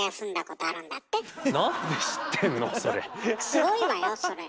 すごいわよそれ。